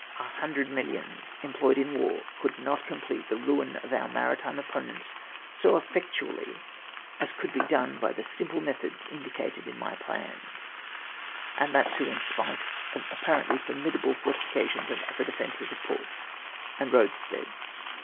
A hundred millions employed in war could not complete the ruin of our maritime opponents so effectually as could be done by the simple methods indicated in my plans ; and that too in spite of the apparently formidable fortifications and other defences of ports and roadsteads.